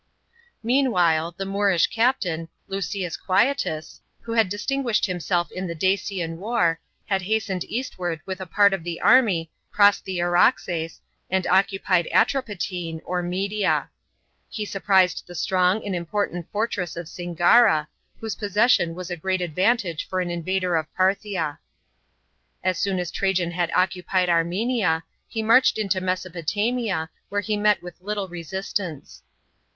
§ 12. Meanwhile, the Moorish captain, Lusius Quietus, who had distinguished himself in the Dadau war, had hastened eastward with a part of the army, crossed the Araxes, and occupied Atropatene or Media. He surprised the strong and important fortress of Singara, whose possession was a great advantage lor an invader of Parthia. As soon as Trajan had occupied Armenia, he marched into Mesopotamia, where he met with little resistance.